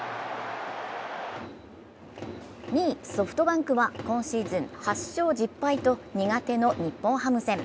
２位、ソフトバンクは今シーズン８勝１０敗と苦手の日本ハム戦。